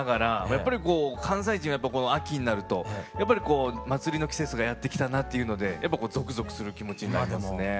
やっぱりこう関西人は秋になるとやっぱりこう祭りの季節がやって来たなというのでゾクゾクする気持ちになりますね。